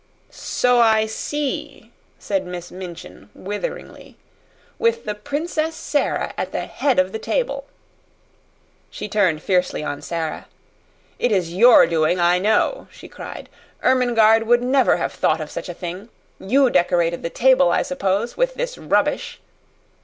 "So I see," said Miss Minchin, witheringly. "With the Princess Sara at the head of the table." She turned fiercely on Sara. "It is your doing, I know," she cried. "Ermengarde would never have thought of such a thing. You decorated the table, I suppose with this rubbish."